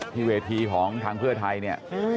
ที่เวทีของทางเพื่อไทยเนี่ย